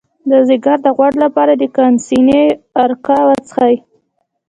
د ځیګر د غوړ لپاره د کاسني عرق وڅښئ